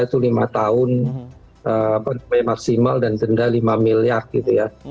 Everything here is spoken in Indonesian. untuk undang undang kita itu lima tahun maksimal dan denda lima miliar gitu ya